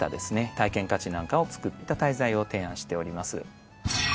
体験価値なんかをつくった滞在を提案しております。